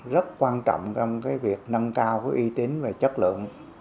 rất quan trọng trong cái việc nâng cao cái uy tín về chất lượng